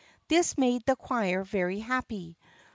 This made the choir very happy.